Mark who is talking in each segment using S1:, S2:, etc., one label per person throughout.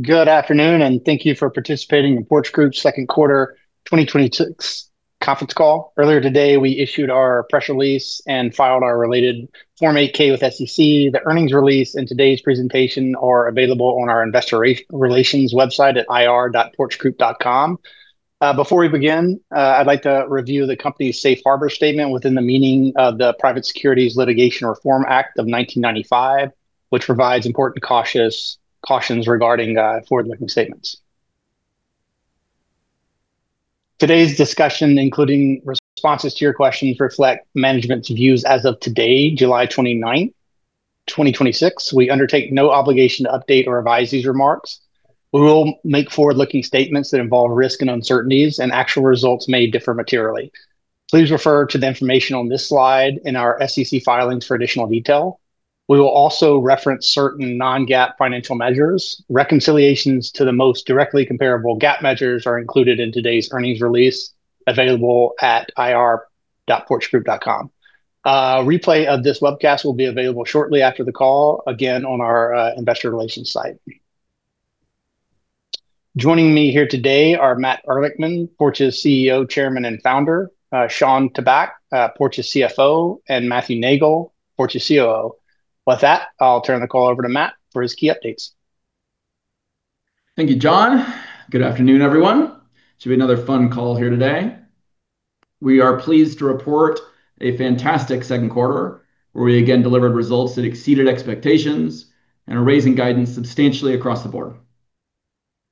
S1: Good afternoon, and thank you for participating in Porch Group's second quarter 2026 conference call. Earlier today, we issued our press release and filed our related Form 8-K with the SEC. The earnings release and today's presentation are available on our investor relations website at ir.porchgroup.com. Before we begin, I'd like to review the company's safe harbor statement within the meaning of the Private Securities Litigation Reform Act of 1995, which provides important cautions regarding forward-looking statements. Today's discussion, including responses to your questions, reflect management's views as of today, July 29th, 2026. We undertake no obligation to update or revise these remarks. We will make forward-looking statements that involve risk and uncertainties, and actual results may differ materially. Please refer to the information on this slide and our SEC filings for additional detail. We will also reference certain non-GAAP financial measures. Reconciliations to the most directly comparable GAAP measures are included in today's earnings release, available at ir.porchgroup.com. A replay of this webcast will be available shortly after the call, again on our investor relations site. Joining me here today are Matt Ehrlichman, Porch's CEO, Chairman and Founder, Shawn Tabak, Porch's CFO, and Matthew Neagle, Porch's COO. With that, I'll turn the call over to Matt for his key updates.
S2: Thank you, John. Good afternoon, everyone. It should be another fun call here today. We are pleased to report a fantastic second quarter, where we again delivered results that exceeded expectations and are raising guidance substantially across the board.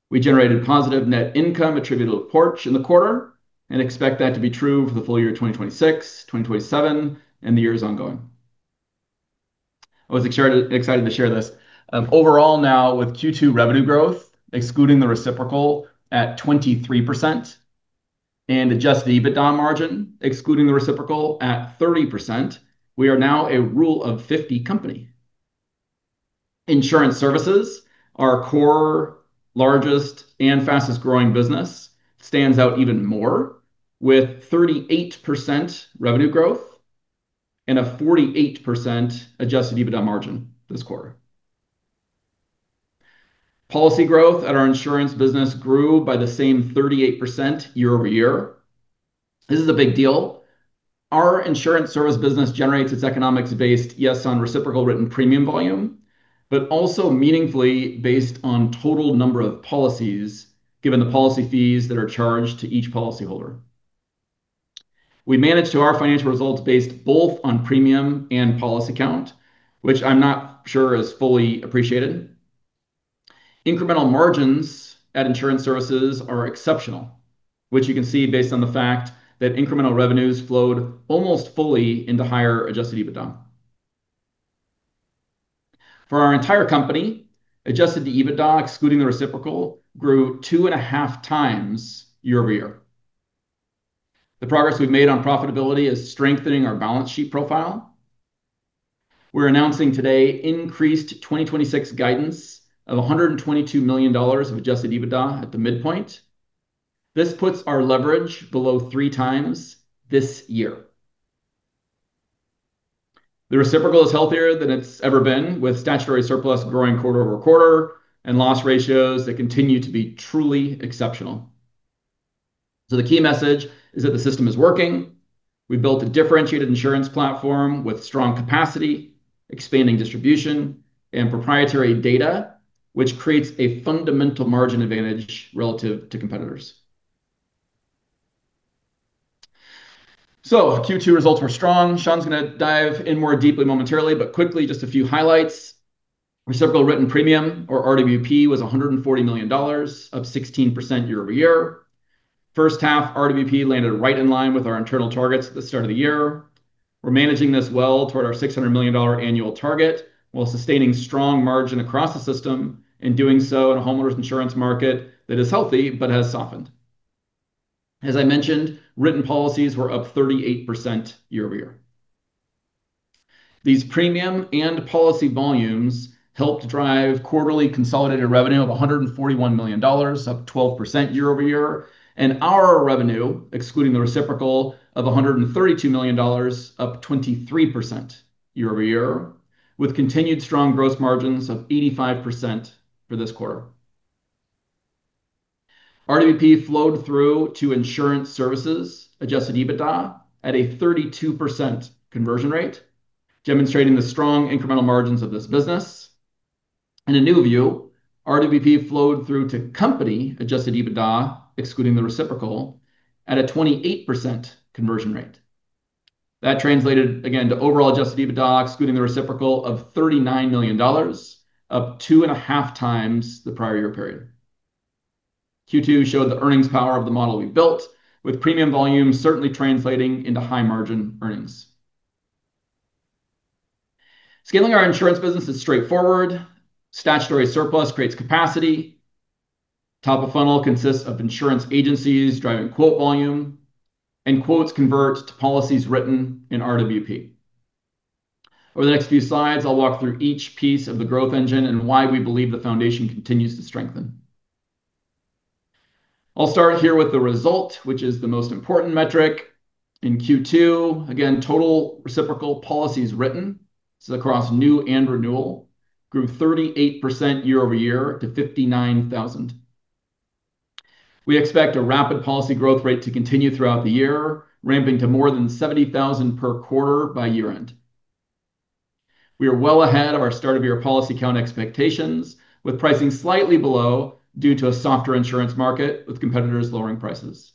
S2: We generated positive net income attributable to Porch in the quarter and expect that to be true for the full year of 2026, 2027, and the years ongoing. I was excited to share this. Overall, now with Q2 revenue growth, excluding the reciprocal at 23% and Adjusted EBITDA margin, excluding the reciprocal at 30%, we are now a Rule of 50 company. Insurance Services, our core, largest, and fastest-growing business stands out even more with 38% revenue growth and a 48% Adjusted EBITDA margin this quarter. Policy growth at our insurance business grew by the same 38% year-over-year. This is a big deal. Our Insurance Services business generates its economics based, yes, on reciprocal written premium volume, but also meaningfully based on total number of policies, given the policy fees that are charged to each policyholder. We manage to our financial results based both on premium and policy count, which I'm not sure is fully appreciated. Incremental margins at Insurance Services are exceptional, which you can see based on the fact that incremental revenues flowed almost fully into higher Adjusted EBITDA. For our entire company, Adjusted EBITDA, excluding the reciprocal, grew 2.5x Year-over-year. The progress we've made on profitability is strengthening our balance sheet profile. We're announcing today increased 2026 guidance of $122 million of Adjusted EBITDA at the midpoint. This puts our leverage below 3x this year. The reciprocal is healthier than it's ever been, with statutory surplus growing quarter-over-quarter and loss ratios that continue to be truly exceptional. The key message is that the system is working. We built a differentiated insurance platform with strong capacity, expanding distribution, and proprietary data, which creates a fundamental margin advantage relative to competitors. Q2 results were strong. Shawn's going to dive in more deeply momentarily, quickly, just a few highlights. Reciprocal written premium or RWP was $140 million, up 16% year-over-year. First half, RWP landed right in line with our internal targets at the start of the year. We're managing this well toward our $600 million annual target while sustaining strong margin across the system, doing so in a homeowners insurance market that is healthy but has softened. As I mentioned, written policies were up 38% year-over-year. These premium and policy volumes helped drive quarterly consolidated revenue of $141 million, up 12% year-over-year, our revenue, excluding the reciprocal of $132 million, up 23% year-over-year, with continued strong gross margins of 85% for this quarter. RWP flowed through to Insurance Services Adjusted EBITDA at a 32% conversion rate, demonstrating the strong incremental margins of this business. In a new view, RWP flowed through to company-Adjusted EBITDA, excluding the reciprocal, at a 28% conversion rate. That translated again to overall Adjusted EBITDA, excluding the reciprocal of $39 million, up 2.5x the prior year period. Q2 showed the earnings power of the model we built, with premium volume certainly translating into high margin earnings. Scaling our insurance business is straightforward. Statutory surplus creates capacity. Top of funnel consists of insurance agencies driving quote volume, quotes convert to policies written in RWP. Over the next few slides, I'll walk through each piece of the growth engine and why we believe the foundation continues to strengthen. I'll start here with the result, which is the most important metric. In Q2, again, total reciprocal policies written, this is across new and renewal, grew 38% year-over-year to 59,000. We expect a rapid policy growth rate to continue throughout the year, ramping to more than 70,000 per quarter by year-end. We are well ahead of our start of year policy count expectations, with pricing slightly below due to a softer insurance market with competitors lowering prices.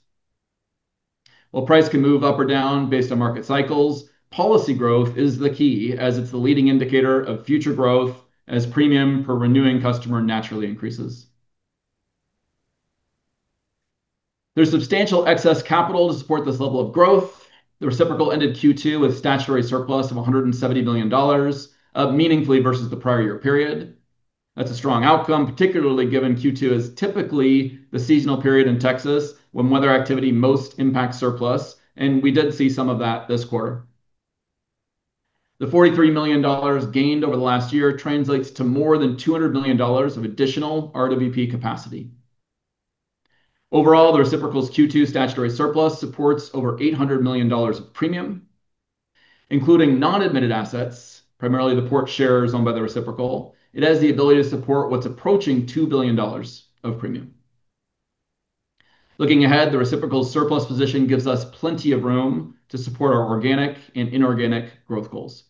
S2: While price can move up or down based on market cycles, policy growth is the key as it's the leading indicator of future growth as premium per renewing customer naturally increases. There's substantial excess capital to support this level of growth. The reciprocal ended Q2 with statutory surplus of $170 million, up meaningfully versus the prior year period. That's a strong outcome, particularly given Q2 is typically the seasonal period in Texas when weather activity most impacts surplus, we did see some of that this quarter. The $43 million gained over the last year translates to more than $200 million of additional RWP capacity. Overall, the reciprocal's Q2 statutory surplus supports over $800 million of premium, including non-admitted assets, primarily the Porch shares owned by the reciprocal. It has the ability to support what's approaching $2 billion of premium. Looking ahead, the reciprocal surplus position gives us plenty of room to support our organic and inorganic growth goals.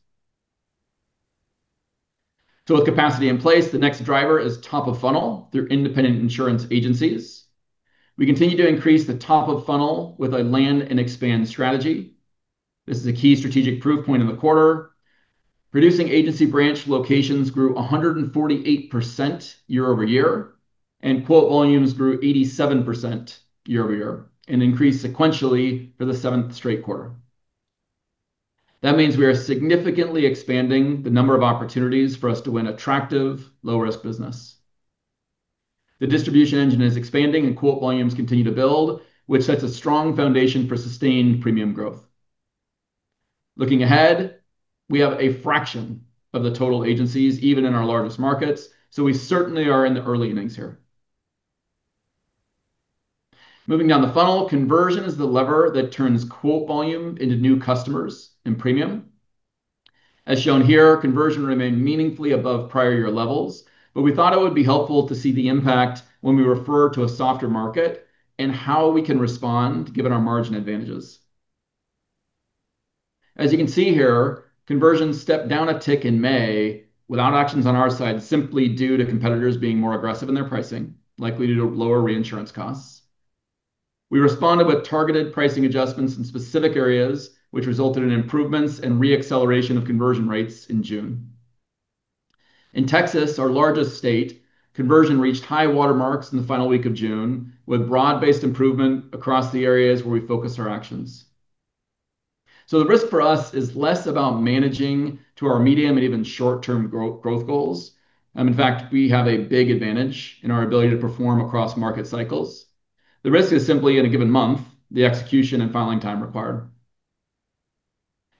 S2: With capacity in place, the next driver is top of funnel through independent insurance agencies. We continue to increase the top of funnel with a land and expand strategy. This is a key strategic proof point in the quarter. Producing agency branch locations grew 148% year over year, and quote volumes grew 87% year over year and increased sequentially for the seventh straight quarter. That means we are significantly expanding the number of opportunities for us to win attractive low-risk business. The distribution engine is expanding, and quote volumes continue to build, which sets a strong foundation for sustained premium growth. Looking ahead, we have a fraction of the total agencies, even in our largest markets, we certainly are in the early innings here. Moving down the funnel, conversion is the lever that turns quote volume into new customers and premium. As shown here, conversion remained meaningfully above prior year levels, we thought it would be helpful to see the impact when we refer to a softer market and how we can respond given our margin advantages. As you can see here, conversions stepped down a tick in May without actions on our side, simply due to competitors being more aggressive in their pricing, likely due to lower reinsurance costs. We responded with targeted pricing adjustments in specific areas, which resulted in improvements and re-acceleration of conversion rates in June. In Texas, our largest state, conversion reached high-water marks in the final week of June with broad-based improvement across the areas where we focused our actions. The risk for us is less about managing to our medium and even short-term growth goals. In fact, we have a big advantage in our ability to perform across market cycles. The risk is simply in a given month, the execution and filing time required.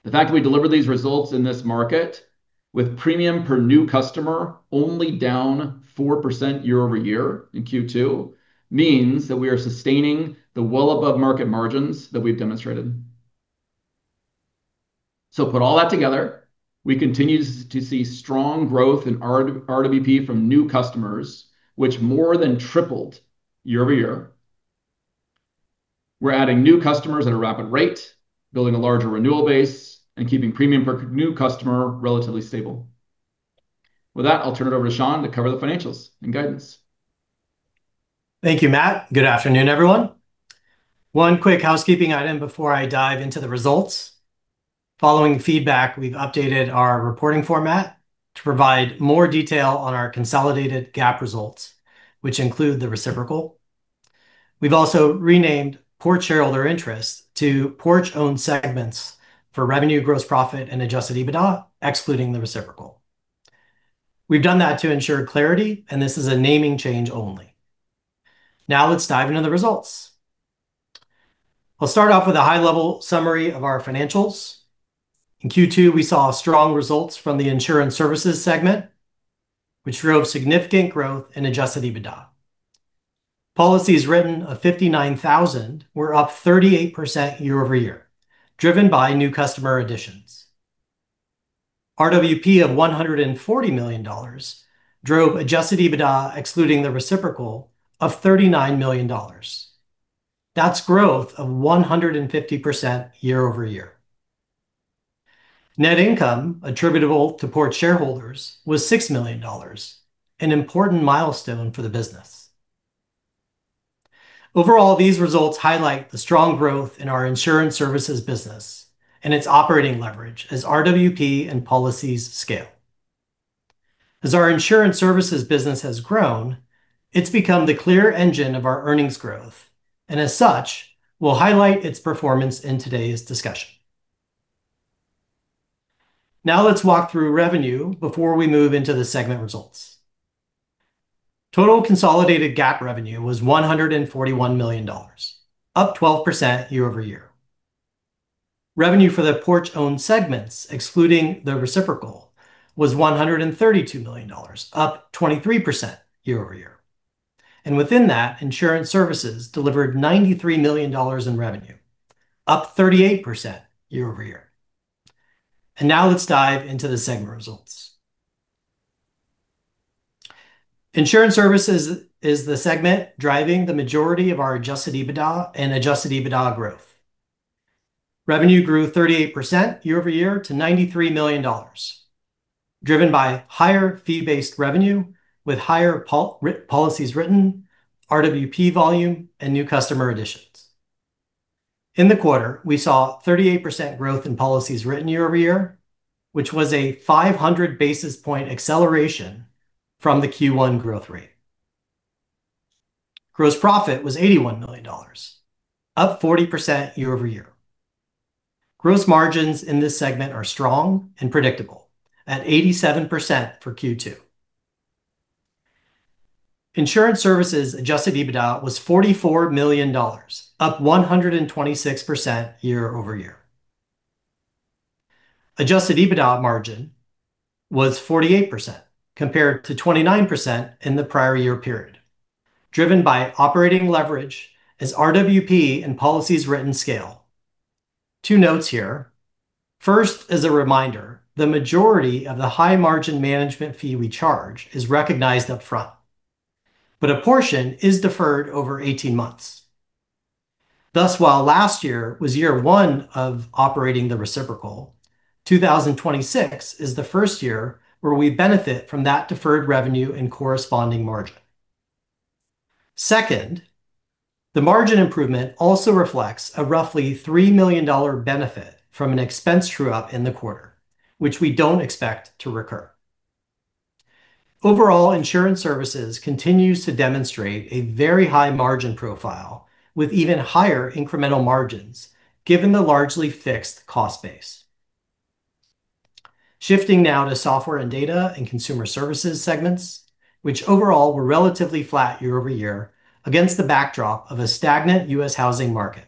S2: The fact that we delivered these results in this market with premium per new customer only down 4% year over year in Q2 means that we are sustaining the well-above-market margins that we've demonstrated. Put all that together, we continue to see strong growth in RWP from new customers, which more than tripled year over year. We're adding new customers at a rapid rate, building a larger renewal base, and keeping premium per new customer relatively stable. With that, I'll turn it over to Shawn to cover the financials and guidance.
S3: Thank you, Matt. Good afternoon, everyone. One quick housekeeping item before I dive into the results. Following feedback, we've updated our reporting format to provide more detail on our consolidated GAAP results, which include the reciprocal. We've also renamed Porch Shareholder Interest to Porch-Owned Segments for revenue, gross profit, and Adjusted EBITDA, excluding the reciprocal. We've done that to ensure clarity, and this is a naming change only. Let's dive into the results. I'll start off with a high-level summary of our financials. In Q2, we saw strong results from the Insurance Services segment, which drove significant growth in Adjusted EBITDA. Policies written of 59,000 were up 38% year over year, driven by new customer additions. RWP of $140 million drove Adjusted EBITDA excluding the reciprocal of $39 million. That's growth of 150% year over year. Net income attributable to Porch shareholders was $6 million, an important milestone for the business. Overall, these results highlight the strong growth in our Insurance Services business and its operating leverage as RWP and policies scale. As our Insurance Services business has grown, it has become the clear engine of our earnings growth, and as such, we will highlight its performance in today's discussion. Let's walk through revenue before we move into the segment results. Total consolidated GAAP revenue was $141 million, up 12% year-over-year. Revenue for the Porch-Owned Segments, excluding the reciprocal, was $132 million, up 23% year-over-year. Within that, Insurance Services delivered $93 million in revenue, up 38% year-over-year. Now let's dive into the segment results. Insurance Services is the segment driving the majority of our Adjusted EBITDA and Adjusted EBITDA growth. Revenue grew 38% year-over-year to $93 million, driven by higher fee-based revenue with higher policies written, RWP volume, and new customer additions. In the quarter, we saw 38% growth in policies written year-over-year, which was a 500 basis point acceleration from the Q1 growth rate. Gross profit was $81 million, up 40% year-over-year. Gross margins in this segment are strong and predictable at 87% for Q2. Insurance Services Adjusted EBITDA was $44 million, up 126% year-over-year. Adjusted EBITDA margin was 48% compared to 29% in the prior year period, driven by operating leverage as RWP and policies written scale. Two notes here. First, as a reminder, the majority of the high margin management fee we charge is recognized upfront, but a portion is deferred over 18 months. Thus, while last year was year one of operating the reciprocal, 2026 is the first year where we benefit from that deferred revenue and corresponding margin. Second, the margin improvement also reflects a roughly $3 million benefit from an expense true-up in the quarter, which we do not expect to recur. Overall, Insurance Services continues to demonstrate a very high margin profile with even higher incremental margins given the largely fixed cost base. Shifting now to Software & Data and Consumer Services segments, which overall were relatively flat year-over-year against the backdrop of a stagnant U.S. housing market.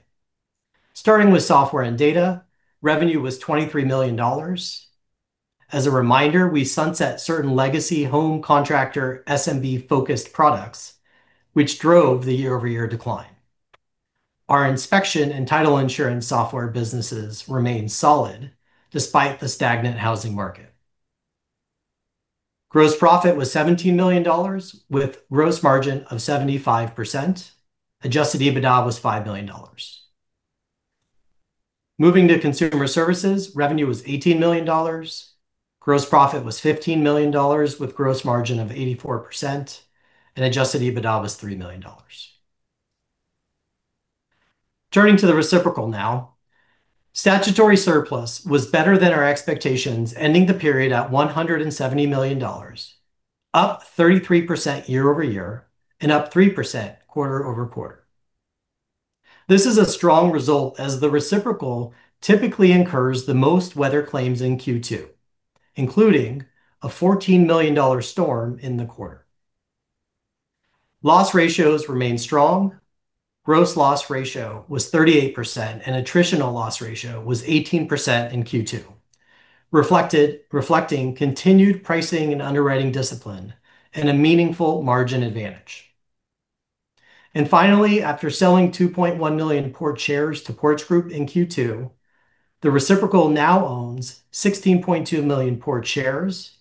S3: Starting with Software & Data, revenue was $23 million. As a reminder, we sunset certain legacy home contractor SMB-focused products, which drove the year-over-year decline. Our inspection and title insurance software businesses remain solid despite the stagnant housing market. Gross profit was $17 million with gross margin of 75%. Adjusted EBITDA was $5 million. Moving to Consumer Services, revenue was $18 million. Gross profit was $15 million with gross margin of 84%, and Adjusted EBITDA was $3 million. Turning to the reciprocal now, statutory surplus was better than our expectations, ending the period at $170 million, up 33% year-over-year and up 3% quarter-over-quarter. This is a strong result as the reciprocal typically incurs the most weather claims in Q2, including a $14 million storm in the quarter. Loss ratios remain strong. Gross loss ratio was 38%, and attritional loss ratio was 18% in Q2, reflecting continued pricing and underwriting discipline and a meaningful margin advantage. Finally, after selling 2.1 million Porch shares to Porch Group in Q2, the reciprocal now owns 16.2 million Porch shares,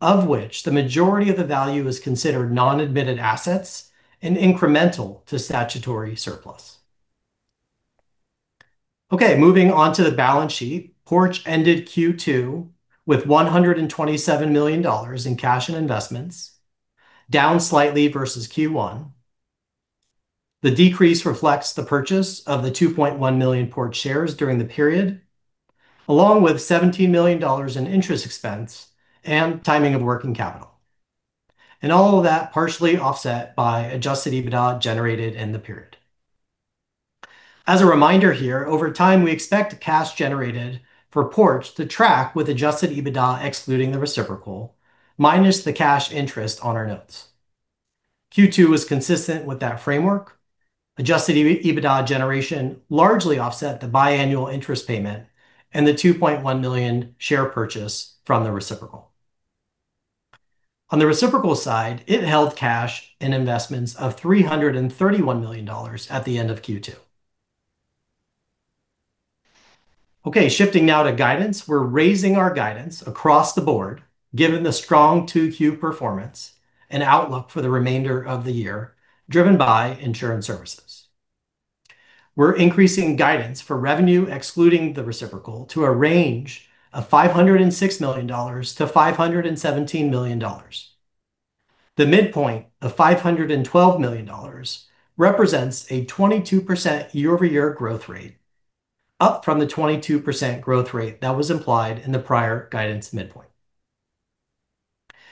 S3: of which the majority of the value is considered non-admitted assets and incremental to statutory surplus. Okay, moving on to the balance sheet. Porch ended Q2 with $127 million in cash and investments, down slightly versus Q1. The decrease reflects the purchase of the 2.1 million Porch shares during the period, along with $17 million in interest expense and timing of working capital. All of that partially offset by Adjusted EBITDA generated in the period. As a reminder here, over time, we expect cash generated for Porch to track with Adjusted EBITDA excluding the reciprocal, minus the cash interest on our notes. Q2 was consistent with that framework. Adjusted EBITDA generation largely offset the biannual interest payment and the 2.1 million share purchase from the reciprocal. On the reciprocal side, it held cash in investments of $331 million at the end of Q2. Okay, shifting now to guidance. We're raising our guidance across the board given the strong 2Q performance and outlook for the remainder of the year driven by Insurance Services. We're increasing guidance for revenue, excluding the reciprocal, to a range of $506 million-$517 million. The midpoint of $512 million represents a 22% year-over-year growth rate, up from the 22% growth rate that was implied in the prior guidance midpoint.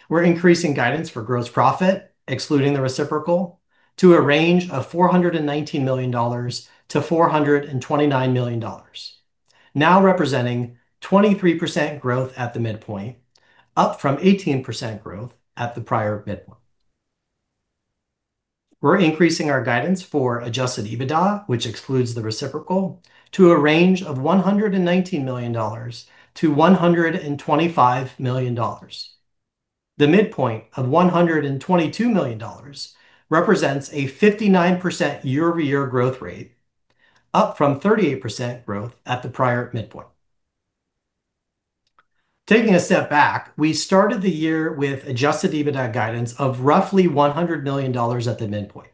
S3: We're increasing guidance for gross profit, excluding the reciprocal, to a range of $419 million-$429 million. Representing 23% growth at the midpoint, up from 18% growth at the prior midpoint. We're increasing our guidance for Adjusted EBITDA, which excludes the reciprocal, to a range of $119 million-$125 million. The midpoint of $122 million represents a 59% year-over-year growth rate, up from 38% growth at the prior midpoint. Taking a step back, we started the year with Adjusted EBITDA guidance of roughly $100 million at the midpoint.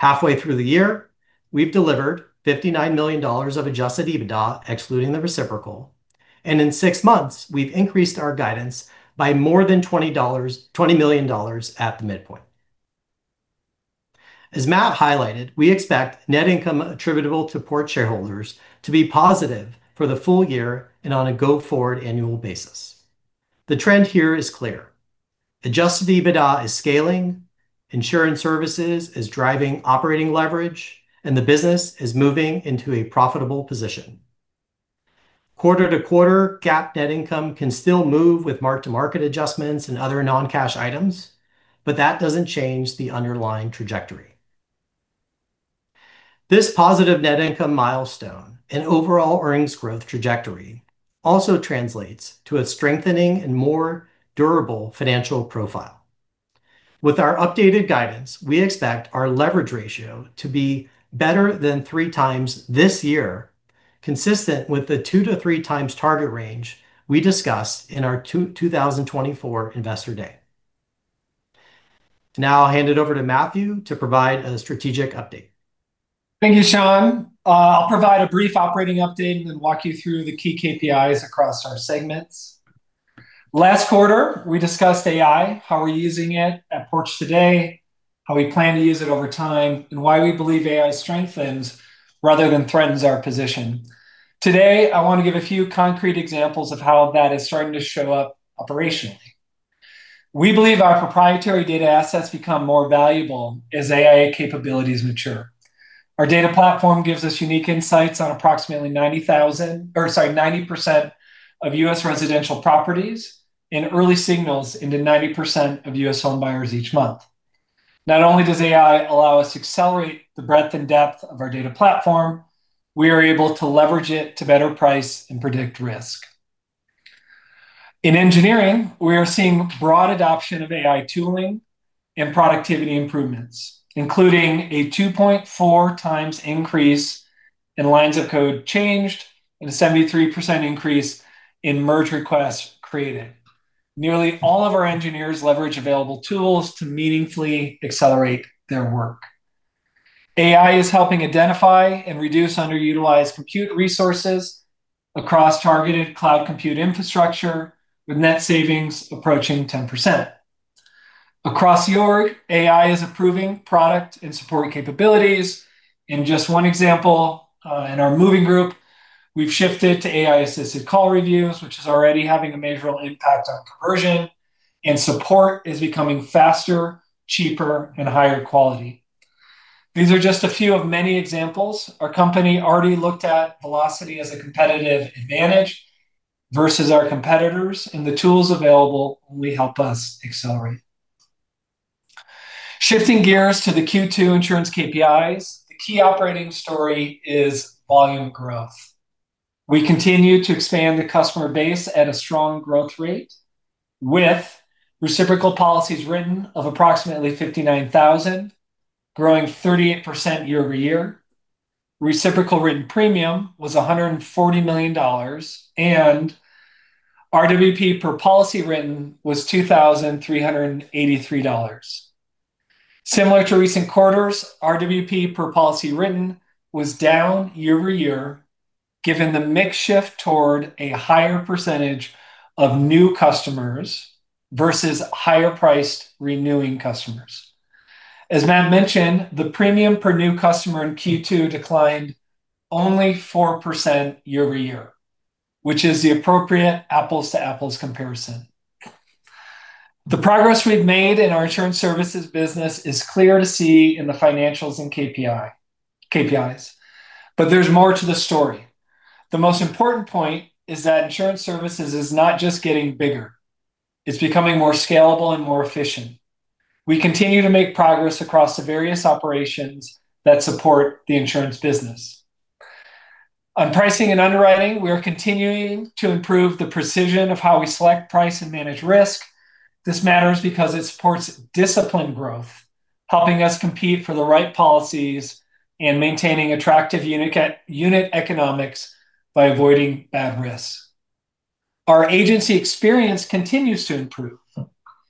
S3: Halfway through the year, we've delivered $59 million of Adjusted EBITDA excluding the reciprocal, and in six months, we've increased our guidance by more than $20 million at the midpoint. As Matt highlighted, we expect net income attributable to Porch shareholders to be positive for the full year and on a go-forward annual basis. The trend here is clear. Adjusted EBITDA is scaling, Insurance Services is driving operating leverage, and the business is moving into a profitable position. Quarter-to-quarter, GAAP net income can still move with mark-to-market adjustments and other non-cash items, but that doesn't change the underlying trajectory. This positive net income milestone and overall earnings growth trajectory also translates to a strengthening and more durable financial profile. With our updated guidance, we expect our leverage ratio to be better than 3x this year, consistent with the 2x-3x target range we discussed in our 2024 Investor Day. I'll hand it over to Matthew to provide a strategic update.
S4: Thank you, Shawn. I'll provide a brief operating update and then walk you through the key KPIs across our segments. Last quarter, we discussed AI, how we're using it at Porch today, how we plan to use it over time, and why we believe AI strengthens rather than threatens our position. Today, I want to give a few concrete examples of how that is starting to show up operationally. We believe our proprietary data assets become more valuable as AI capabilities mature. Our data platform gives us unique insights on approximately 90% of U.S. residential properties, and early signals into 90% of U.S. home buyers each month. Not only does AI allow us to accelerate the breadth and depth of our data platform, we are able to leverage it to better price and predict risk. In engineering, we are seeing broad adoption of AI tooling and productivity improvements, including a 2.4x increase in lines of code changed and a 73% increase in merge requests created. Nearly all of our engineers leverage available tools to meaningfully accelerate their work. AI is helping identify and reduce underutilized compute resources across targeted cloud compute infrastructure, with net savings approaching 10%. Across the org, AI is improving product and support capabilities. In just one example, in our moving group, we've shifted to AI-assisted call reviews, which is already having a measurable impact on conversion, and support is becoming faster, cheaper, and higher quality. These are just a few of many examples. Our company already looked at velocity as a competitive advantage versus our competitors, and the tools available only help us accelerate. Shifting gears to the Q2 insurance KPIs, the key operating story is volume growth. We continue to expand the customer base at a strong growth rate with reciprocal policies written of approximately 59,000, growing 38% year-over-year. Reciprocal written premium was $140 million, and RWP per policy written was $2,383. Similar to recent quarters, RWP per policy written was down year-over-year, given the mix shift toward a higher percentage of new customers versus higher priced renewing customers. As Matt mentioned, the premium per new customer in Q2 declined only 4% year-over-year, which is the appropriate apples-to-apples comparison. The progress we've made in our Insurance Services business is clear to see in the financials and KPIs. There's more to the story. The most important point is that Insurance Services is not just getting bigger. It's becoming more scalable and more efficient. We continue to make progress across the various operations that support the insurance business. On pricing and underwriting, we are continuing to improve the precision of how we select price and manage risk. This matters because it supports disciplined growth, helping us compete for the right policies and maintaining attractive unit economics by avoiding bad risks. Our agency experience continues to improve.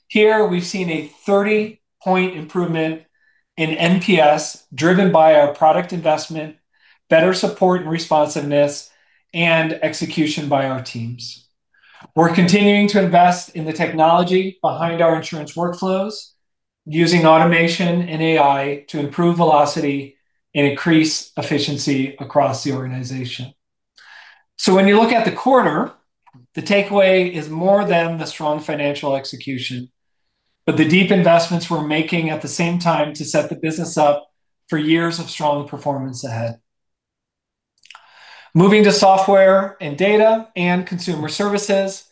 S4: Here, we've seen a 30-point improvement in NPS driven by our product investment, better support and responsiveness, and execution by our teams. We're continuing to invest in the technology behind our insurance workflows using automation and AI to improve velocity and increase efficiency across the organization. When you look at the quarter, the takeaway is more than the strong financial execution, but the deep investments we're making at the same time to set the business up for years of strong performance ahead. Moving to Software & Data and Consumer Services,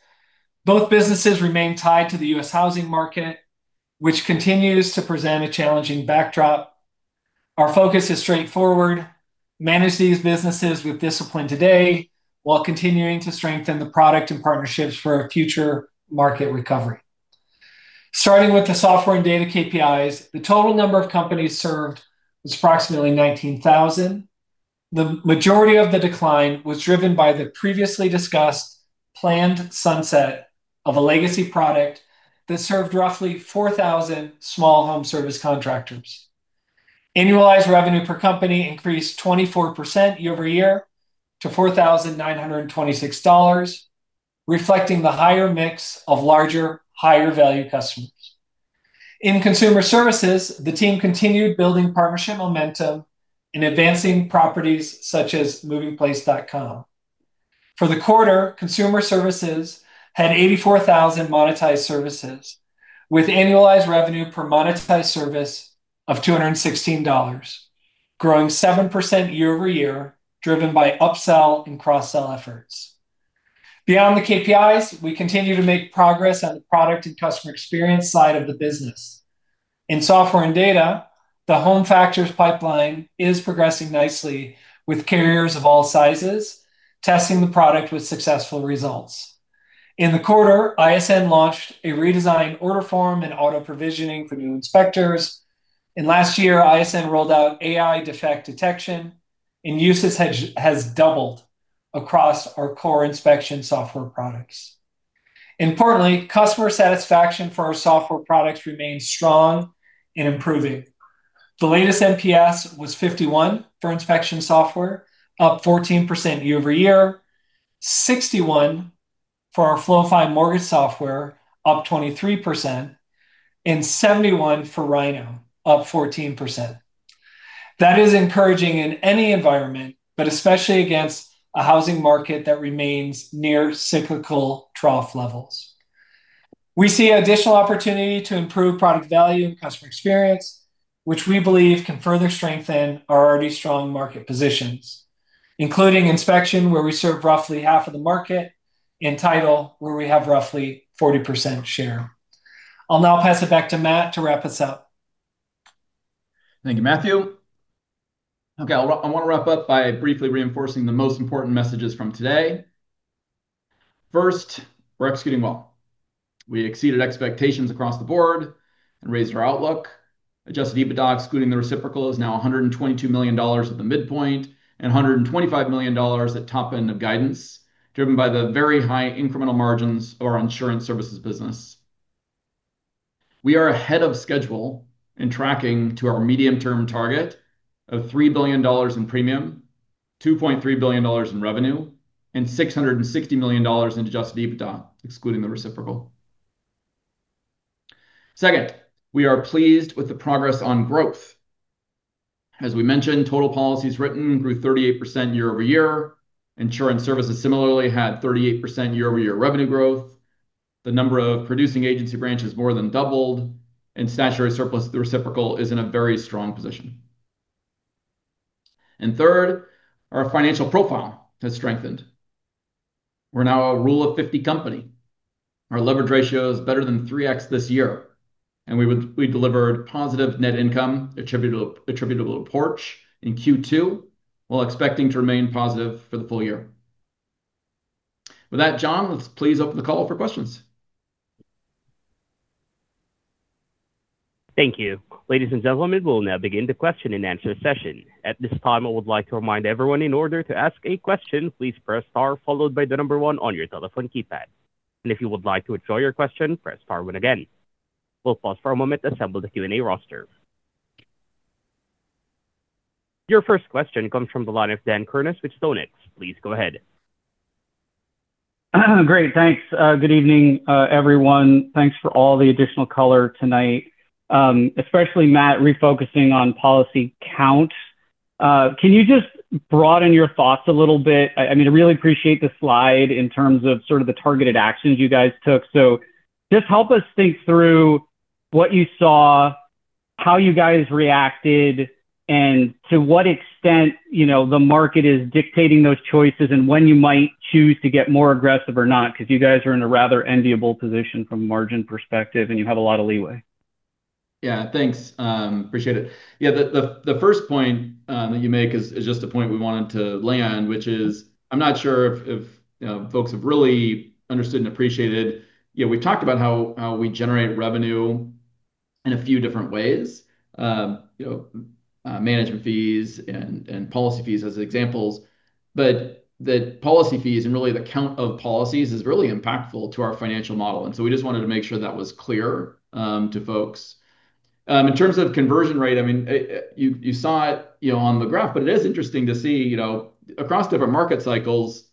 S4: both businesses remain tied to the U.S. housing market, which continues to present a challenging backdrop. Our focus is straightforward: manage these businesses with discipline today while continuing to strengthen the product and partnerships for a future market recovery. Starting with the Software & Data KPIs, the total number of companies served was approximately 19,000. The majority of the decline was driven by the previously discussed planned sunset of a legacy product that served roughly 4,000 small home service contractors. Annualized revenue per company increased 24% year-over-year to $4,926, reflecting the higher mix of larger, higher value customers. In Consumer Services, the team continued building partnership momentum in advancing properties such as movingplace.com. For the quarter, Consumer Services had 84,000 monetized services with annualized revenue per monetized service of $216, growing 7% year-over-year, driven by upsell and cross-sell efforts. Beyond the KPIs, we continue to make progress on the product and customer experience side of the business. In Software & Data, the HomeFactors pipeline is progressing nicely with carriers of all sizes, testing the product with successful results. In the quarter, ISN launched a redesigned order form and auto provisioning for new inspectors, and last year, ISN rolled out AI defect detection, and usage has doubled across our core inspection software products. Importantly, customer satisfaction for our software products remains strong and improving. The latest NPS was 51 for inspection software, up 14% year-over-year, 61 for our Floify mortgage software, up 23%, and 71 for Rynoh, up 14%. That is encouraging in any environment, especially against a housing market that remains near cyclical trough levels. We see additional opportunity to improve product value and customer experience, which we believe can further strengthen our already strong market positions, including inspection, where we serve roughly half of the market, and title, where we have roughly 40% share. I'll now pass it back to Matt to wrap us up.
S2: Thank you, Matthew. I want to wrap up by briefly reinforcing the most important messages from today. First, we're executing well. We exceeded expectations across the board and raised our outlook. Adjusted EBITDA, excluding the reciprocal, is now $122 million at the midpoint and $125 million at top end of guidance, driven by the very high incremental margins of our Insurance Services business. We are ahead of schedule in tracking to our medium-term target of $3 billion in premium, $2.3 billion in revenue, and $660 million in Adjusted EBITDA, excluding the reciprocal. Second, we are pleased with the progress on growth. As we mentioned, total policies written grew 38% year-over-year. Insurance Services similarly had 38% year-over-year revenue growth. The number of producing agency branches more than doubled, and statutory surplus through reciprocal is in a very strong position. Third, our financial profile has strengthened. We're now a rule of 50 company. Our leverage ratio is better than 3x this year. We delivered positive net income attributable to Porch in Q2, while expecting to remain positive for the full year. With that, John, let's please open the call for questions.
S5: Thank you. Ladies and gentlemen, we'll now begin the question and answer session. At this time, I would like to remind everyone in order to ask a question, please press star followed by the number one on your telephone keypad. If you would like to withdraw your question, press star one again. We'll pause for a moment to assemble the Q&A roster. Your first question comes from the line of Dan Kurnos with StoneX. Please go ahead.
S6: Great. Thanks. Good evening, everyone. Thanks for all the additional color tonight. Especially Matt refocusing on policy count. Can you just broaden your thoughts a little bit? I really appreciate the slide in terms of sort of the targeted actions you guys took. Just help us think through what you saw, how you guys reacted, and to what extent the market is dictating those choices and when you might choose to get more aggressive or not, because you guys are in a rather enviable position from a margin perspective, you have a lot of leeway.
S2: Thanks. Appreciate it. The first point that you make is just a point we wanted to land, which is I'm not sure if folks have really understood and appreciated. We've talked about how we generate revenue in a few different ways. Management fees and policy fees as examples. The policy fees and really the count of policies is really impactful to our financial model. We just wanted to make sure that was clear to folks. In terms of conversion rate, you saw it on the graph, but it is interesting to see across different market cycles,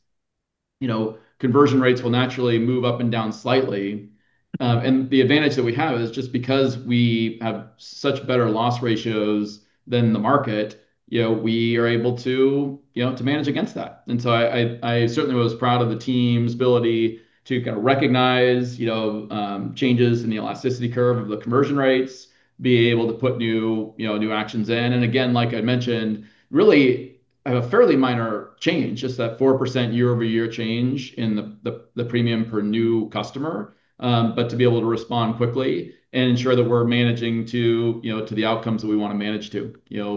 S2: conversion rates will naturally move up and down slightly. The advantage that we have is just because we have such better loss ratios than the market, we are able to manage against that. I certainly was proud of the team's ability to kind of recognize changes in the elasticity curve of the conversion rates, be able to put new actions in. Again, like I mentioned, really a fairly minor change, just that 4% year-over-year change in the premium per new customer. To be able to respond quickly and ensure that we're managing to the outcomes that we want to manage to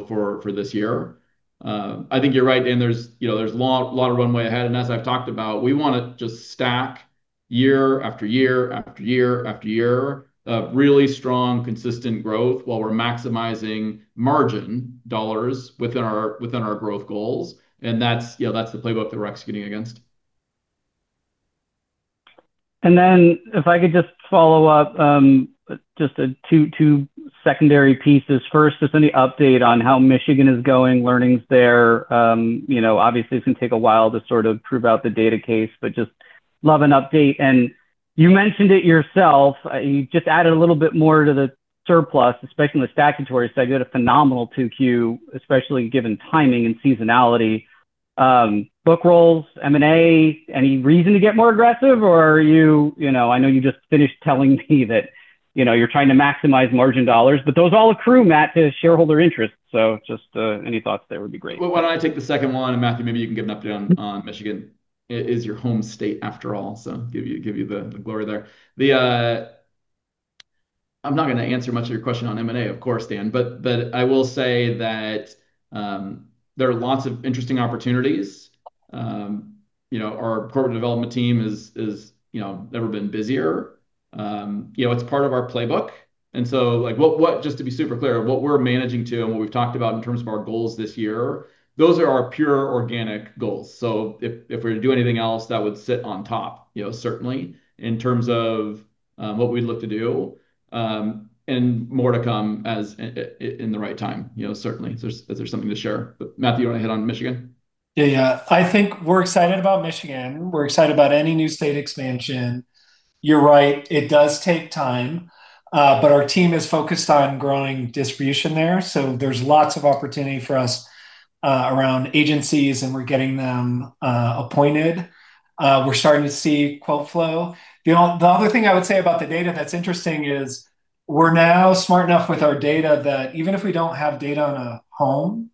S2: for this year. I think you're right, Dan. There's lot of runways ahead. As I've talked about, we want to just stack year after year after year after year of really strong, consistent growth while we're maximizing margin dollars within our growth goals, and that's the playbook that we're executing against.
S6: If I could just follow up, just two secondary pieces. First, just any update on how Michigan is going, learnings there. Obviously, it's going to take a while to sort of prove out the data case but just love an update. You mentioned it yourself; you just added a little bit more to the surplus, especially in the statutory surplus, a phenomenal 2Q, especially given timing and seasonality. Book rolls, M&A, any reason to get more aggressive? I know you just finished telling me that you're trying to maximize margin dollars, but those all accrue, Matt, to shareholder interest. Just any thoughts there would be great.
S2: Why don't I take the second one, Matthew, maybe you can give an update on Michigan. It is your home state after all, so give you the glory there. I'm not going to answer much of your question on M&A, of course, Dan, but I will say that there are lots of interesting opportunities. Our corporate development team has never been busier. It's part of our playbook. Just to be super clear, what we're managing to and what we've talked about in terms of our goals this year, those are our pure organic goals. If we're to do anything else, that would sit on top, certainly in terms of what we'd look to do, and more to come in the right time certainly, if there's something to share. Matthew, you want to hit on Michigan?
S4: I think we're excited about Michigan. We're excited about any new state expansion. You're right, it does take time. Our team is focused on growing distribution there, so there's lots of opportunity for us around agencies, and we're getting them appointed. We're starting to see quote flow. The other thing I would say about the data that's interesting is we're now smart enough with our data that even if we don't have data on a home,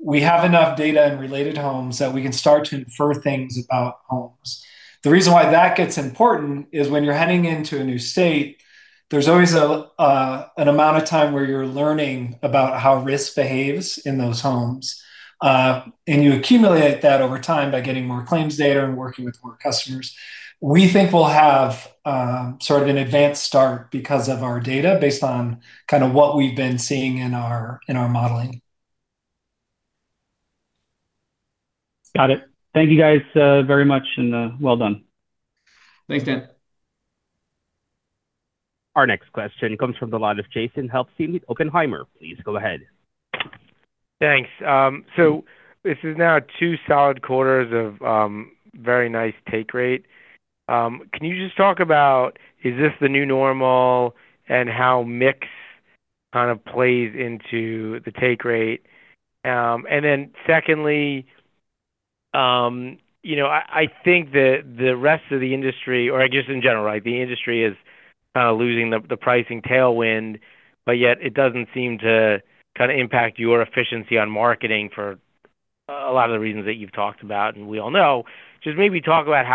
S4: we have enough data in related homes that we can start to infer things about homes. The reason why that gets important is when you're heading into a new state, there's always an amount of time where you're learning about how risk behaves in those homes. You accumulate that over time by getting more claims data and working with more customers. We think we'll have sort of an advanced start because of our data based on kind of what we've been seeing in our modeling.
S6: Got it. Thank you guys very much, and well done.
S2: Thanks, Dan.
S5: Our next question comes from the line of Jason Helfstein with Oppenheimer. Please go ahead.
S7: Thanks. This is now two solid quarters of very nice take rate. Can you just talk about is this the new normal and how mix kind of plays into the take rate? Secondly, I think that the rest of the industry, or I guess in general, the industry is kind of losing the pricing tailwind, but yet it doesn't seem to kind of impact your efficiency on marketing for a lot of the reasons that you've talked about and we all know. Just maybe talk about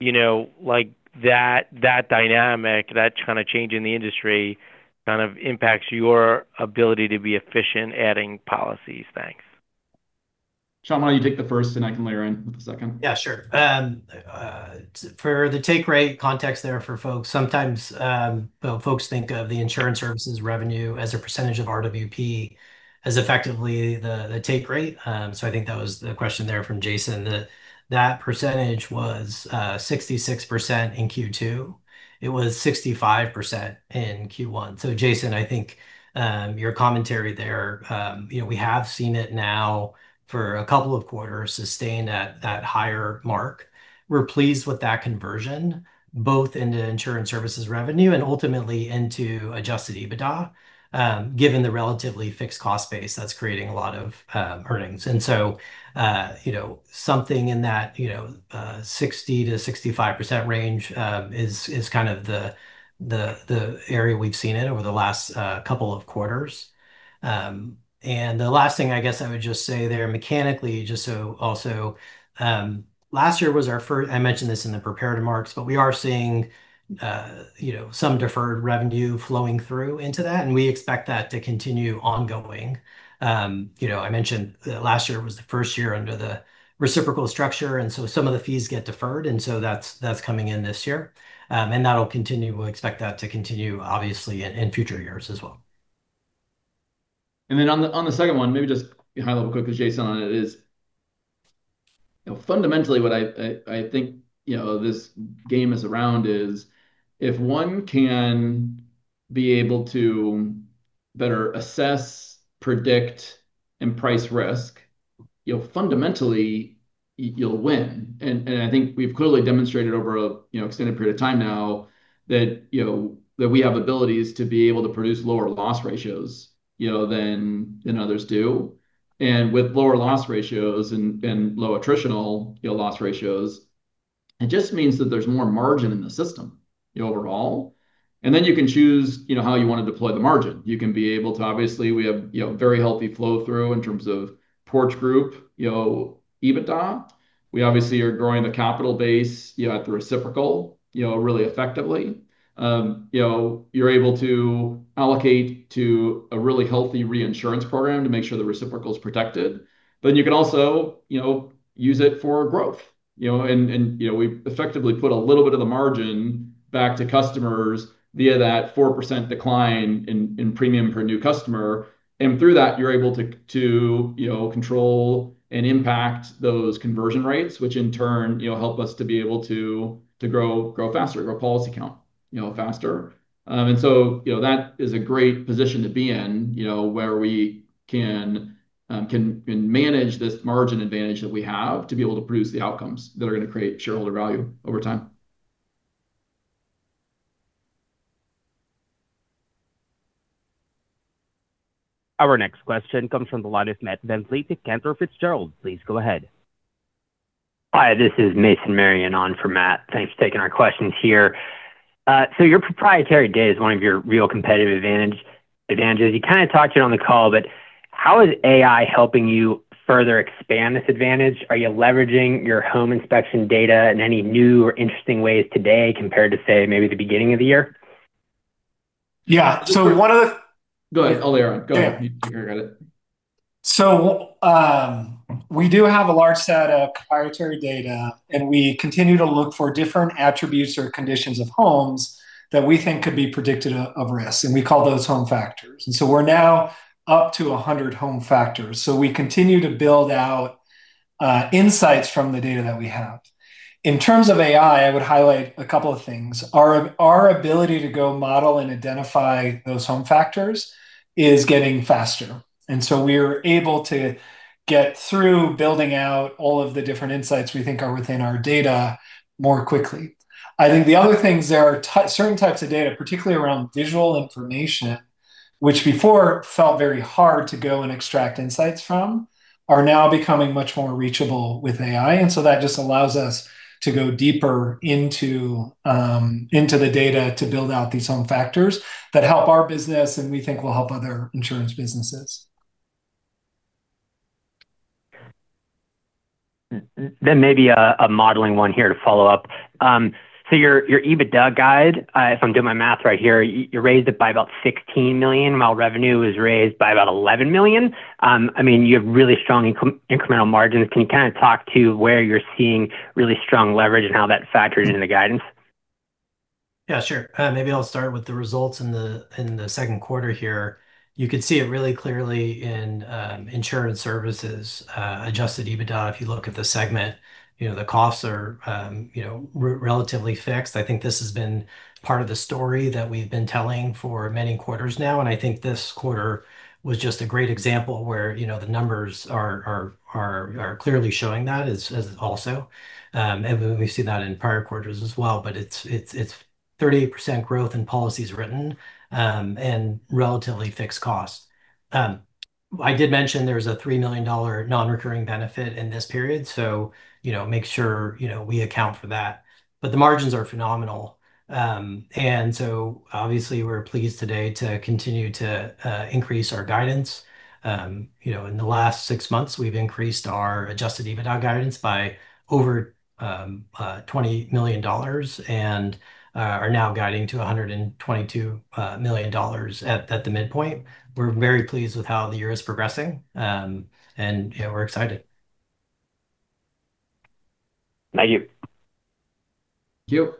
S7: how you think that dynamic, that kind of change in the industry kind of impacts your ability to be efficient adding policies. Thanks.
S2: Shawn, why don't you take the first, and I can layer in with the second?
S3: Yeah, sure. For the take rate context there for folks, sometimes folks think of the Insurance Services revenue as a percentage of RWP as effectively the take rate. I think that was the question there from Jason. That percentage was 66% in Q2. It was 65% in Q1. Jason, I think your commentary there, we have seen it now for a couple of quarters sustained at that higher mark. We're pleased with that conversion both into Insurance Services revenue and ultimately into Adjusted EBITDA given the relatively fixed cost base that's creating a lot of earnings. Something in that 60%-65% range is kind of the area we've seen it over the last couple of quarters. The last thing I guess I would just say there mechanically, just so also, last year was our first, I mentioned this in the prepared remarks, but we are seeing some deferred revenue flowing through into that, and we expect that to continue ongoing. I mentioned that last year was the first year under the reciprocal structure, and so some of the fees get deferred, and so that's coming in this year. That'll continue. We'll expect that to continue, obviously, in future years as well.
S2: On the second one, maybe just high level quick because Jason on it is, fundamentally what I think this game is around is if one can be able to better assess, predict, and price risk, fundamentally you'll win. I think we've clearly demonstrated over an extended period of time now that we have abilities to be able to produce lower loss ratios than others do. With lower loss ratios and low attritional loss ratios, it just means that there's more margin in the system overall. You can choose how you want to deploy the margin. Obviously, we have very healthy flow through in terms of Porch Group EBITDA. We obviously are growing the capital base at the reciprocal really effectively. You're able to allocate to a really healthy reinsurance program to make sure the reciprocals protected. You can also use it for growth. We effectively put a little bit of the margin back to customers via that 4% decline in premium per new customer. Through that, you're able to control and impact those conversion rates, which in turn help us to be able to grow faster, grow policy count faster. That is a great position to be in, where we can manage this margin advantage that we have to be able to produce the outcomes that are going to create shareholder value over time.
S5: Our next question comes from the line of Matt Bensley to Cantor Fitzgerald. Please go ahead.
S8: Hi, this is Mason Marion on for Matt. Thanks for taking our questions here. Your proprietary data is one of your real competitive advantages. You kind of talked it on the call, but how is AI helping you further expand this advantage? Are you leveraging your home inspection data in any new or interesting ways today compared to, say, maybe the beginning of the year?
S4: Yeah.
S2: Go ahead. [inaudible] Go ahead. You can go ahead.
S4: We do have a large set of proprietary data, and we continue to look for different attributes or conditions of homes that we think could be predicted of risk, and we call those HomeFactors. We're now up to 100 HomeFactors. We continue to build out insights from the data that we have. In terms of AI, I would highlight a couple of things. Our ability to go model and identify those HomeFactors is getting faster, and so we're able to get through building out all of the different insights we think are within our data more quickly. I think the other things, there are certain types of data, particularly around visual information, which before felt very hard to go and extract insights from, are now becoming much more reachable with AI. That just allows us to go deeper into the data to build out these HomeFactors that help our business and we think will help other insurance businesses.
S8: Then maybe a modeling one here to follow up. Your EBITDA guide, if I'm doing my math right here, you raised it by about $16 million, while revenue was raised by about $11 million. You have really strong incremental margins. Can you kind of talk to where you're seeing really strong leverage and how that factors into the guidance?
S3: Yeah, sure. Maybe I'll start with the results in the second quarter here. You could see it really clearly in Insurance Services, Adjusted EBITDA, if you look at the segment. The costs are relatively fixed. I think this has been part of the story that we've been telling for many quarters now, I think this quarter was just a great example where the numbers are clearly showing that as also. We see that in prior quarters as well, but it's 38% growth in policies written, and relatively fixed cost. I did mention there's a $3 million non-recurring benefit in this period; make sure we account for that. The margins are phenomenal. Obviously, we're pleased today to continue to increase our guidance. In the last six months, we've increased our Adjusted EBITDA guidance by over $20 million and are now guiding to $122 million at the midpoint. We're very pleased with how the year is progressing. Yeah, we're excited.
S8: Thank you.
S4: Thank you.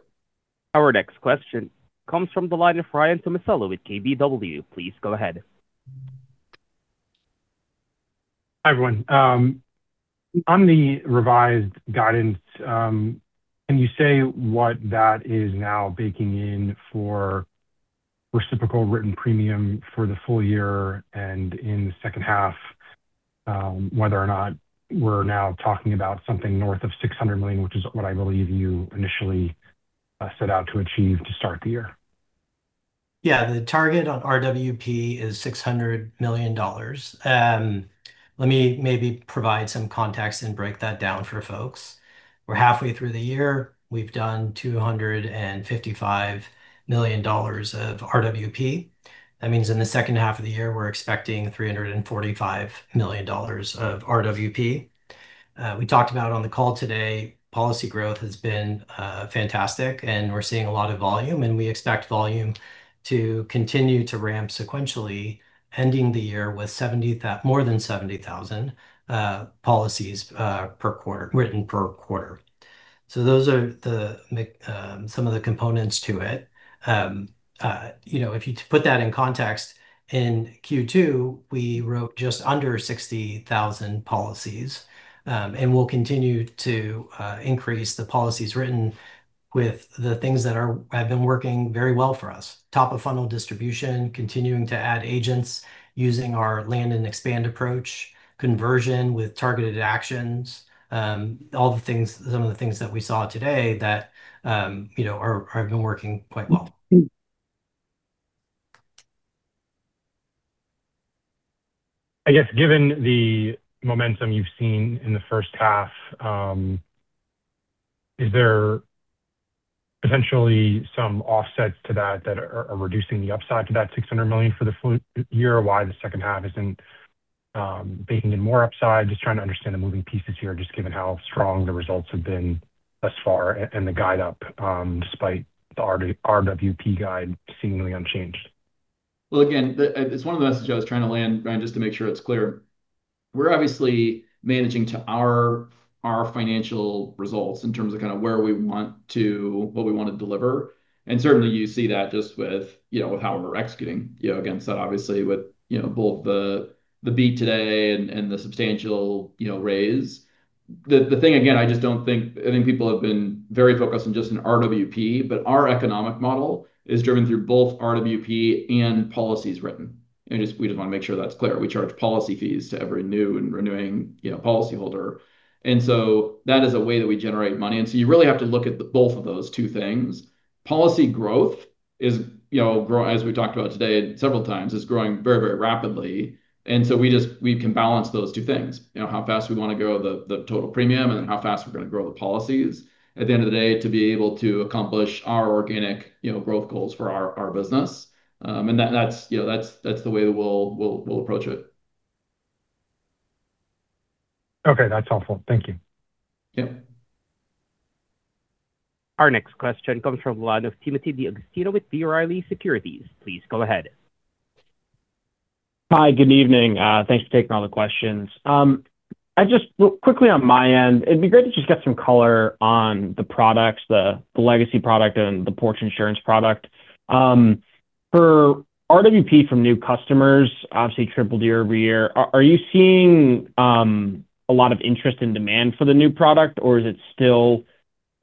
S5: Our next question comes from the line of Ryan Tomasello with KBW. Please go ahead.
S9: Hi, everyone. On the revised guidance, can you say what that is now baking in for reciprocal written premium for the full year and in the second half, whether or not we're now talking about something north of $600 million, which is what I believe you initially set out to achieve to start the year?
S3: Yeah. The target on RWP is $600 million. Let me maybe provide some context and break that down for folks. We're halfway through the year. We've done $255 million of RWP. That means in the second half of the year, we're expecting $345 million of RWP. We talked about on the call today, policy growth has been fantastic and we're seeing a lot of volume, and we expect volume to continue to ramp sequentially, ending the year with more than 70,000 policies written per quarter. So those are some of the components to it. If you put that in context, in Q2, we wrote just under 60,000 policies. We'll continue to increase the policies written with the things that have been working very well for us. Top-of-funnel distribution, continuing to add agents using our land and expand approach, conversion with targeted actions. All the things, some of the things that we saw today that have been working quite well.
S9: I guess given the momentum you've seen in the first half, is there potentially some offsets to that that are reducing the upside to that $600 million for the full year? Why the second half isn't baking in more upside? Just trying to understand the moving pieces here, just given how strong the results have been thus far and the guide up, despite the RWP guide seemingly unchanged.
S2: Well, again, it's one of the messages I was trying to land, Ryan, just to make sure it's clear. We're obviously managing to our financial results in terms of where we want to, what we want to deliver. Certainly, you see that just with how we're executing against that, obviously with both the beat today and the substantial raise. The thing, again, I think people have been very focused on just an RWP, but our economic model is driven through both RWP and policies written. We just want to make sure that's clear. We charge policy fees to every new and renewing policyholder. That is a way that we generate money. You really have to look at the both of those two things. Policy growth is, as we talked about today several times, is growing very rapidly. We can balance those two things, how fast we want to grow the total premium and then how fast we're going to grow the policies at the end of the day to be able to accomplish our organic growth goals for our business. That's the way that we'll approach it.
S9: Okay. That's helpful. Thank you.
S2: Yep.
S5: Our next question comes from the line of Timothy D'Agostino with B. Riley Securities. Please go ahead.
S10: Hi. Good evening. Thanks for taking all the questions. I just, quickly on my end, it would be great to just get some color on the products, the legacy product and the Porch Insurance product. For RWP from new customers, obviously tripled year-over-year. Are you seeing a lot of interest and demand for the new product, or is it still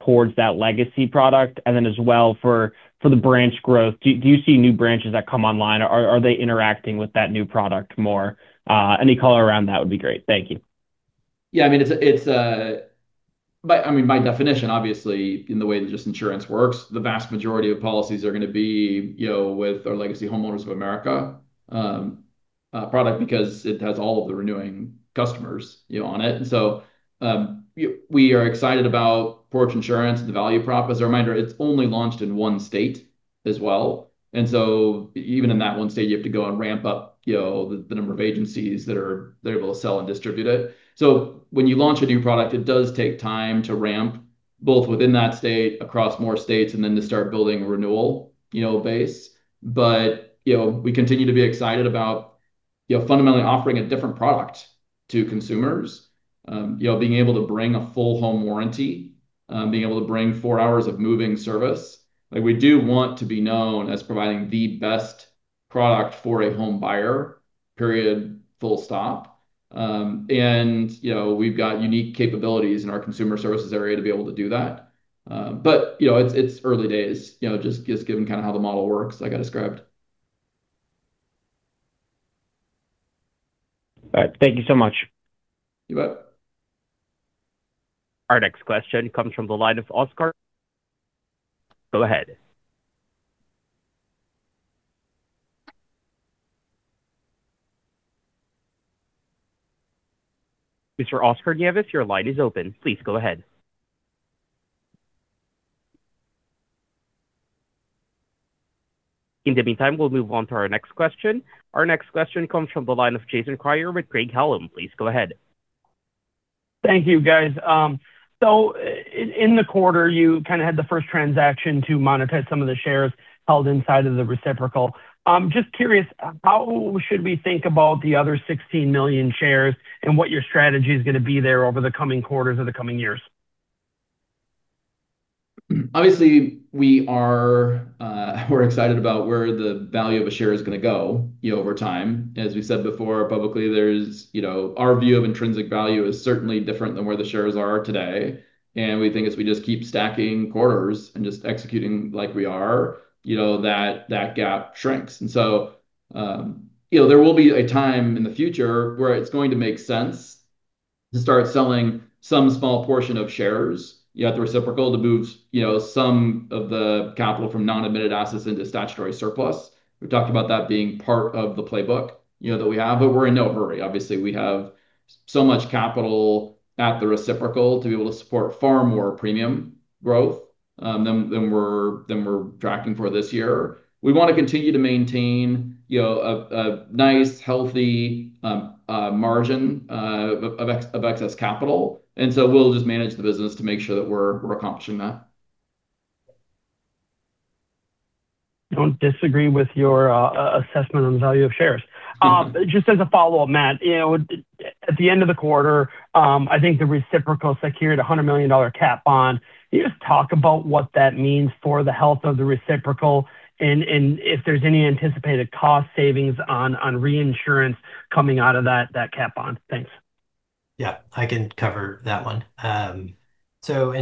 S10: towards that legacy product? As well for the branch growth, do you see new branches that come online, or are they interacting with that new product more? Any color around that would be great. Thank you.
S2: Yeah, by definition, obviously in the way that just insurance works, the vast majority of policies are going to be with our legacy Homeowners of America product because it has all of the renewing customers on it. We are excited about Porch Insurance and the value prop. As a reminder, it's only launched in one state as well. Even in that one state, you have to go and ramp up the number of agencies that are able to sell and distribute it. When you launch a new product, it does take time to ramp both within that state, across more states, and then to start building a renewal base. We continue to be excited about fundamentally offering a different product to consumers. Being able to bring a full home warranty, being able to bring four hours of moving service. We do want to be known as providing the best product for a home buyer, period, full stop. We've got unique capabilities in our Consumer Services area to be able to do that. It's early days, just given kind of how the model works like I described.
S10: All right. Thank you so much.
S2: You bet.
S5: Our next question comes from the line of Oscar. Go ahead. Mr. Oscar Nieves, your line is open. Please go ahead. In the meantime, we'll move on to our next question. Our next question comes from the line of Jason Kreyer with Craig-Hallum. Please go ahead.
S11: Thank you, guys. In the quarter, you kind of had the first transaction to monetize some of the shares held inside of the reciprocal. Just curious, how should we think about the other 16 million shares and what your strategy is going to be there over the coming quarters or the coming years?
S2: Obviously, we're excited about where the value of a share is going to go over time. As we've said before publicly, our view of intrinsic value is certainly different than where the shares are today. We think as we just keep stacking quarters and just executing like we are, that that gap shrinks. There will be a time in the future where it's going to make sense to start selling some small portion of shares at the reciprocal to move some of the capital from non-admitted assets into statutory surplus. We've talked about that being part of the playbook that we have, but we're in no hurry. Obviously, we have so much capital at the reciprocal to be able to support far more premium growth than we're tracking for this year. We want to continue to maintain a nice, healthy margin of excess capital, and so we'll just manage the business to make sure that we're accomplishing that.
S11: Don't disagree with your assessment on the value of shares. Just as a follow-up, Matt, at the end of the quarter, I think the reciprocal secured a $100 million cat bond. Can you just talk about what that means for the health of the reciprocal and if there's any anticipated cost savings on reinsurance coming out of that cat bond? Thanks.
S3: Yeah, I can cover that one.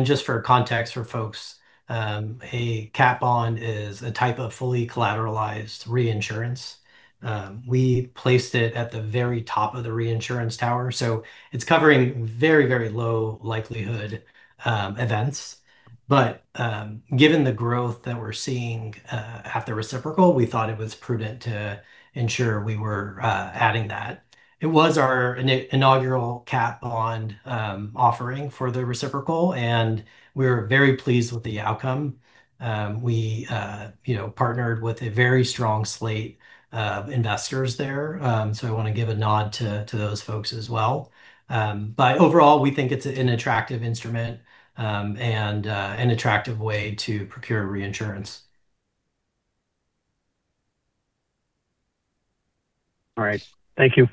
S3: Just for context for folks, a cat bond is a type of fully collateralized reinsurance. We placed it at the very top of the reinsurance tower. It's covering very low likelihood events. Given the growth that we're seeing at the reciprocal, we thought it was prudent to ensure we were adding that. It was our inaugural cat bond offering for the reciprocal. We're very pleased with the outcome. We partnered with a very strong slate of investors there. I want to give a nod to those folks as well. Overall, we think it's an attractive instrument and an attractive way to procure reinsurance.
S11: All right. Thank you.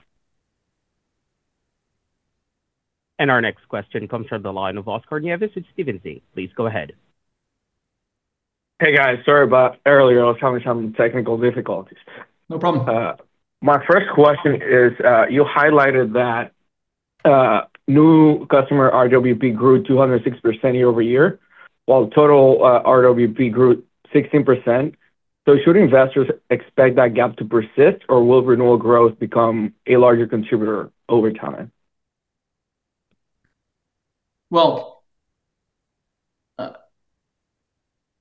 S5: Our next question comes from the line of Oscar Nieves with Stephens. Please go ahead.
S12: Hey, guys. Sorry about earlier. I was having some technical difficulties.
S2: No problem.
S12: My first question is, you highlighted that new customer RWP grew 260% year-over-year, while total RWP grew 16%. Should investors expect that gap to persist, or will renewal growth become a larger contributor over time?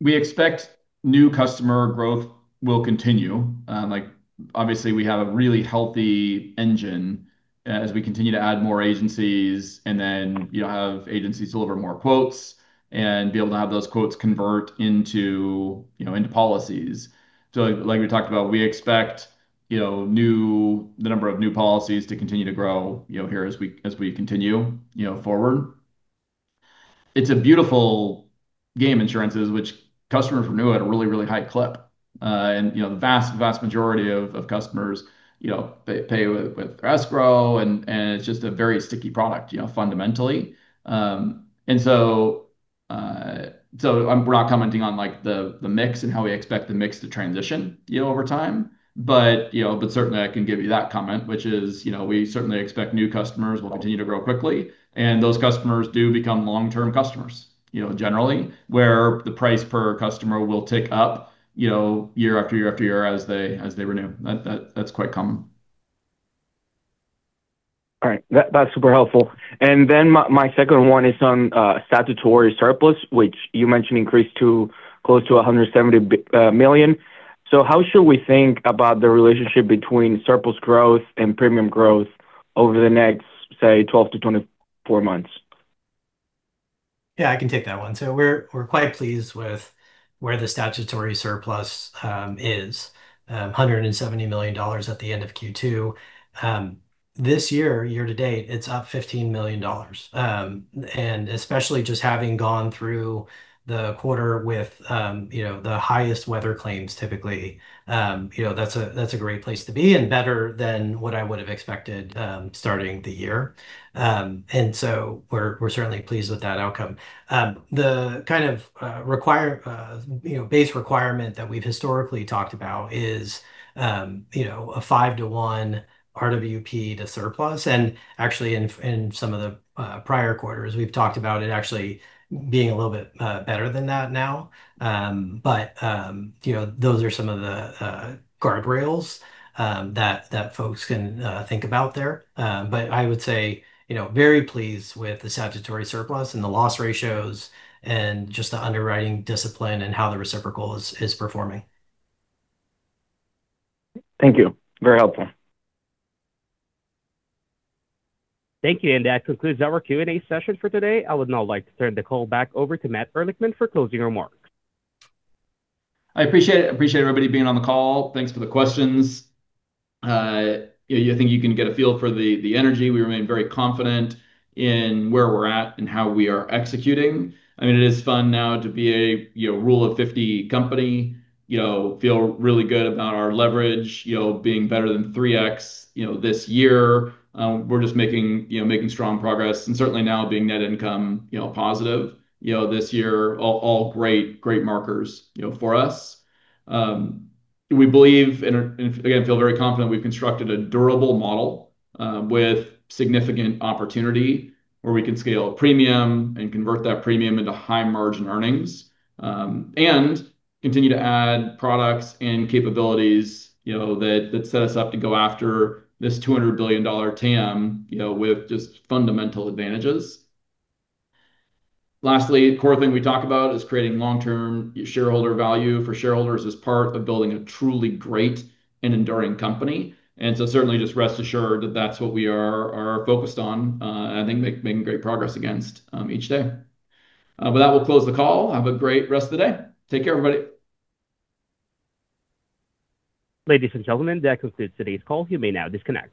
S2: We expect new customer growth will continue. Obviously, we have a really healthy engine as we continue to add more agencies and then have agencies deliver more quotes and be able to have those quotes convert into policies. Like we talked about, we expect the number of new policies to continue to grow here as we continue forward. It's a beautiful game, insurances, which customers renew at a really, really high clip. The vast majority of customers pay with escrow, and it's just a very sticky product fundamentally. We're not commenting on the mix and how we expect the mix to transition over time. I can give you that comment, which is we certainly expect new customers will continue to grow quickly, and those customers do become long-term customers, generally, where the price per customer will tick up year after year after year as they renew. That is quite common.
S12: All right. That is super helpful. My second one is on statutory surplus, which you mentioned increased to close to $170 million. How should we think about the relationship between surplus growth and premium growth over the next, say, 12-24 months?
S3: Yeah, I can take that one. We are quite pleased with where the statutory surplus is, $170 million at the end of Q2. This year-to-date, it is up $15 million. Especially just having gone through the quarter with the highest weather claims, typically, that is a great place to be and better than what I would have expected starting the year. We are certainly pleased with that outcome. The kind of base requirement that we have historically talked about is a five to one RWP to surplus. Actually, in some of the prior quarters, we have talked about it actually being a little bit better than that now. Those are some of the guardrails that folks can think about there. I would say, very pleased with the statutory surplus and the loss ratios and just the underwriting discipline and how the reciprocal is performing.
S12: Thank you. Very helpful.
S5: Thank you. That concludes our Q&A session for today. I would now like to turn the call back over to Matt Ehrlichman for closing remarks.
S2: I appreciate it. I appreciate everybody being on the call. Thanks for the questions. I think you can get a feel for the energy. We remain very confident in where we're at and how we are executing. It is fun now to be a rule of 50 company, feel really good about our leverage, being better than 3x this year. We're just making strong progress and certainly now being net income positive this year, all great markers for us. We believe and, again, feel very confident we've constructed a durable model with significant opportunity where we can scale premium and convert that premium into high margin earnings and continue to add products and capabilities that set us up to go after this $200 billion TAM with just fundamental advantages. Lastly, core thing we talk about is creating long-term shareholder value for shareholders as part of building a truly great and enduring company. Certainly just rest assured that's what we are focused on, I think making great progress against each day. That will close the call. Have a great rest of the day. Take care, everybody.
S5: Ladies and gentlemen, that concludes today's call. You may now disconnect.